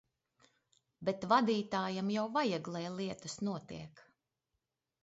Bet vadītājam jau vajag, lai lietas notiek.